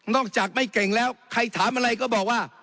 จากไม่เก่งแล้วใครถามอะไรก็บอกว่า